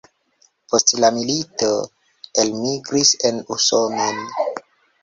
Post la milito elmigris en Usonon.